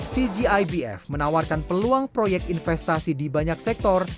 cgibf menawarkan peluang proyek investasi di banyak sektor